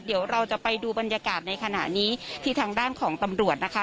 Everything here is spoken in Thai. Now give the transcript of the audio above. เดี๋ยวเราจะไปดูบรรยากาศในขณะนี้ที่ทางด้านของตำรวจนะคะ